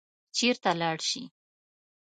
چېرته لاړ شي.